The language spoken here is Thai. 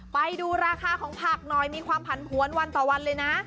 ไปดูราคาของผักหน่อยมีความผันผวนวันต่อวันเลยนะ